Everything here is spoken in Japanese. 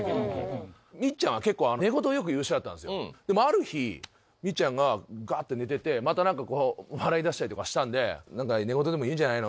である日みっちゃんがガって寝ててまた何かこう笑い出したりとかしたんで何か寝言でも言うんじゃないの？